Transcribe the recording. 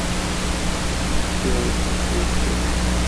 پیر اغوستې